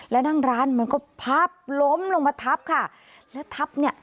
แล้วนั่งร้านมันก็พับล้มลงมาทับค่ะแล้วทับเนี่ย